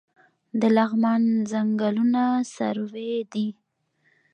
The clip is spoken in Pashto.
د لغمان ځنګلونه سروې دي